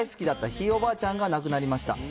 ひいおばあちゃんが亡くなりました。